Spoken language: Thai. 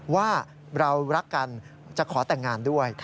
ว่าเรารักกันจะขอแต่งงานด้วย